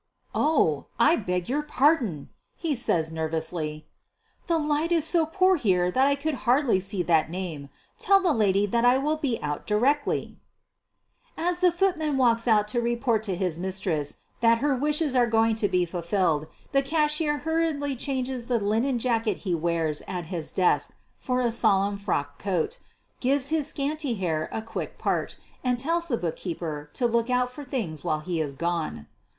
"Oh, I beg your pardon," he says nervously;! "the light is so poor here that I could hardly see' that name. Tell the lady that I will be out directly. '' As the footman walks out to report to his mistress that her wishes are going to be fulfilled the cashier hurriedly changes the linen jacket he wears at his desk for a solemn frock coat, gives his scanty hair a quick part and calls to the bookkeeper to look out for things while he is gone.